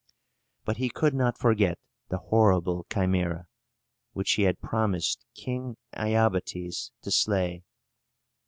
But he could not forget the horrible Chimæra, which he had promised King Iobates to slay.